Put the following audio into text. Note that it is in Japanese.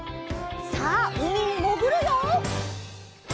さあうみにもぐるよ！